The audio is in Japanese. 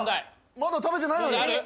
まだ食べてない。